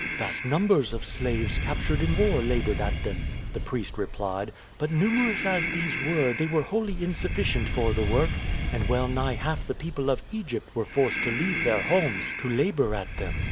"Vast numbers of slaves captured in war labored at them," the priest replied. "But numerous as these were they were wholly insufficient for the work, and well nigh half the people of Egypt were forced to leave their homes to labor at them.